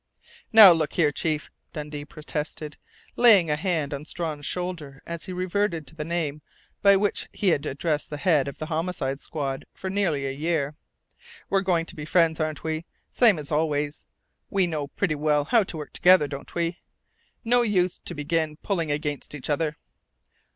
"Now, look here, chief," Dundee protested, laying a hand on Strawn's shoulder as he reverted to the name by which he had addressed the head of the Homicide Squad for nearly a year, "we're going to be friends, aren't we? Same as always? We know pretty well how to work together, don't we? No use to begin pulling against each other."